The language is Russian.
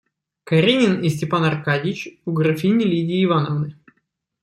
Каренин и Степан Аркадьич у графини Лидии Ивановны.